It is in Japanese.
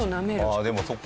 ああでもそっか。